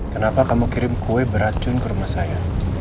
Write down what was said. kenapa kamu kirim kue beracun ke rumah saya